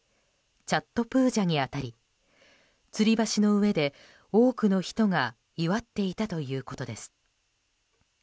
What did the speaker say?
チャットプージャに当たりつり橋の上で多くの人が祝っていたということです。